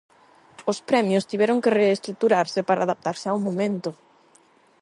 Os premios tiveron que reestruturarse para adaptarse ao momento.